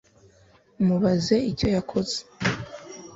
Mubaze icyo yakoze